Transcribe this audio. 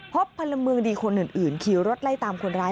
พลเมืองดีคนอื่นขี่รถไล่ตามคนร้าย